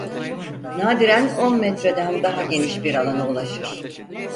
Nadiren on metreden daha geniş bir alana ulaşır.